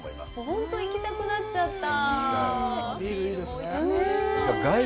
本当に行きたくなっちゃった。